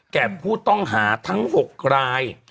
แก่ผู้ต้องหาทั้ง๖ราย